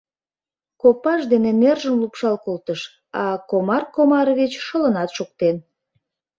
Копаж дене нержым лупшал колтыш, а Комар Комарович шылынат шуктен.